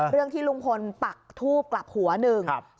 ที่ลุงพลปักทูบกลับหัวหนึ่ง